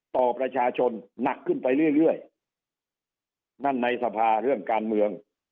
ต่อประชาชนหนักขึ้นไปเรื่อยเรื่อยนั่นในสภาเรื่องการเมือง